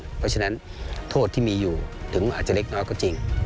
เพราะฉะนั้นโทษที่มีอยู่ถึงอาจจะเล็กน้อยก็จริง